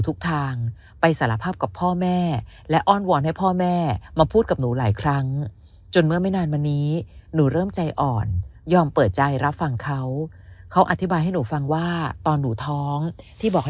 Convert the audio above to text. ทุกทางไปสารภาพกับพ่อแม่และอ้อนวอนให้พ่อแม่มาพูดกับ